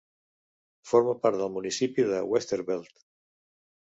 Forma part del municipi de Westerveld.